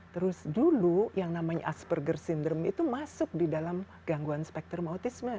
terus dulu yang namanya asperger syndrome itu masuk di dalam gangguan spektrum autisme